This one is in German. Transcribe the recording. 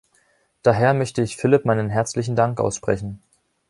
Daher möchte ich Phillip meinen herzlichen Dank aussprechen.